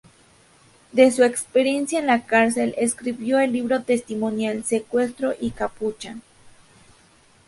De su experiencia en la cárcel, escribió el libro testimonial "Secuestro y capucha".